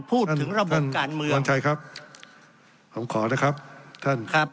พูดถึงระบบการเมืองกัญชัยครับผมขอนะครับท่านครับ